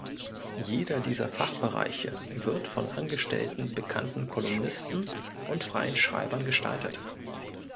Jeder dieser Fachbereiche wird von angestellten bekannten Kolumnisten und freien Schreibern gestaltet.